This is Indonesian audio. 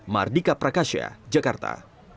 mardika prakasya jakarta